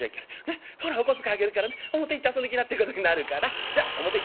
ねっほらお小遣いあげるからね表行って遊んできな』ってことになるからじゃ表行って遊んでくるね」。